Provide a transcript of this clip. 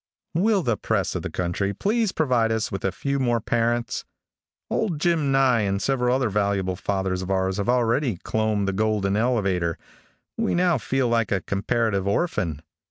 _ Will the press of the country please provide us with a few more parents? Old Jim Nye and several other valuable fathers of ours having already clomb the golden elevator, we now feel like a comparative orphan.